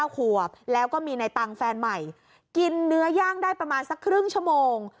๙ขวบแล้วก็มีในตังค์แฟนใหม่กินเนื้อย่างได้ประมาณสักครึ่งชั่วโมง